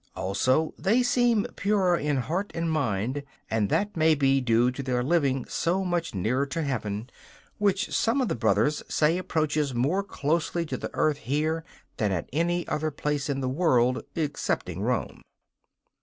Also, they seem purer in heart and mind, and that may be due to their living so much nearer to Heaven, which some of the brothers say approaches more closely to the earth here than at any other place in the world excepting Rome.